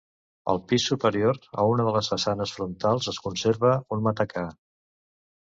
Al pis superior, a una de les façanes frontals es conserva un matacà.